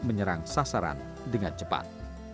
menyerang sasaran dengan cepat